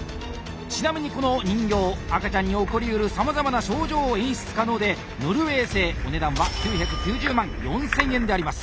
ちなみにこの人形赤ちゃんに起こりうるさまざまな症状を演出可能でノルウェー製お値段は９９０万４，０００円であります。